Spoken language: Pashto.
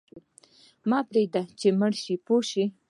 مه پرېږده چې مړ شې پوه شوې!.